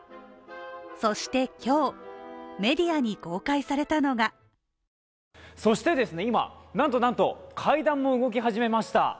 そして今日、メディアに公開されたのがそして今、なんとなんと階段も動き始めました。